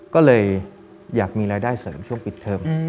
ก็เลยอยากมีรายได้เสริมช่วงปิดเทอม